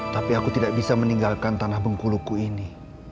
tapi aku tidak bisa meninggalkan tanah bengkuluku ini